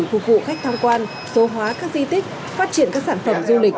phục vụ khách tham quan số hóa các di tích phát triển các sản phẩm du lịch